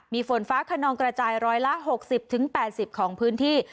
มีฝนฟ้าคณองกระจายร้อยละหกสิบถึงแปดสิบของพื้นที่